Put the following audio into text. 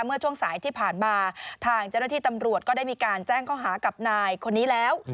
เมื่อช่วงสายที่ผ่านมาทางเจ้าหน้าที่ตำรวจก็ได้มีการแจ้งข้อหากับนายคนนี้แล้ว